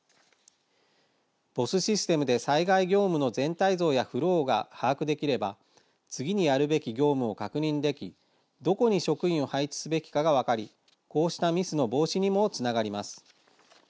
ＢＯＳＳシステムで災害業務の全体像やフローが把握できれば次にやるべき業務を確認できどこに職員を配置すべきかが分かりこうしたミスの防止にもつながります。